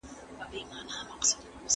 غنیمت باید په عادلانه توګه وویشل شي.